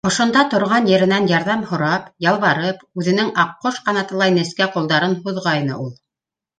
Ошонда торған еренән ярҙам һорап, ялбарып, үҙенең аҡҡош ҡанатылай нескә ҡулдарын һуҙғайны ул...